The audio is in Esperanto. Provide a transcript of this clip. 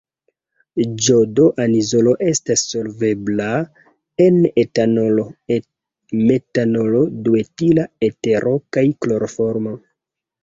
Jodo-anizolo estas solvebla en etanolo, metanolo, duetila etero kaj kloroformo.